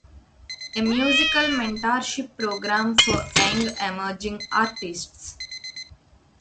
A musical mentorship program for young emerging artists.